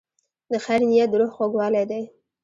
د خیر نیت د روح خوږوالی دی.